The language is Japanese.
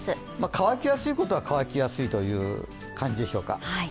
乾きやすいことは乾きやすいという感じでしょうか。